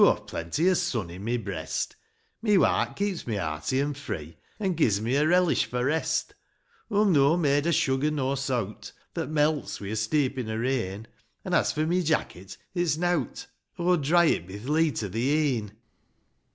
Aw've plenty o' sun in my breast, Mi wark keeps me hearty an' free, An' gi's me a relish for rest ; Aw'm noan made o' sugar nor saut, That melts wi' a steepin' o' rain ; An', as for my jacket, — it's nought,— Aw'll dry it bi th' leet o' thi e'en